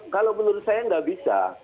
kalau menurut saya nggak bisa